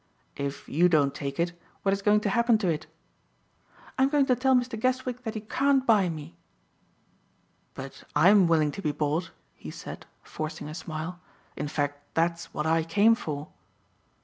"If you don't take it, what is going to happen to it?" "I'm going to tell Mr. Guestwick that he can't buy me." "But I'm willing to be bought," he said, forcing a smile. "In fact that's what I came for."